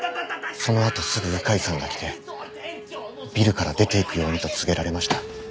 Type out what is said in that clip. そのあとすぐ鵜飼さんが来てビルから出ていくようにと告げられました。